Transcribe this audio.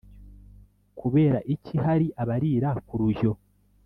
Kubera iki hari abarira ku rujyo?